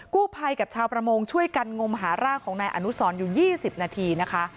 กู้ภัยกับชาวประมงช่วยกันงมหาร่างของนายอนุสรอยู่๒๐นาทีนะคะ